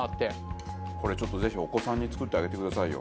これちょっとぜひお子さんに作ってあげてくださいよ。